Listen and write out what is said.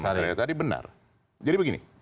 tadi benar jadi begini